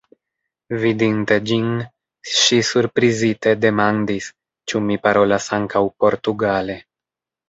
Vidinte ĝin, ŝi surprizite demandis, ĉu mi parolas ankaŭ portugale.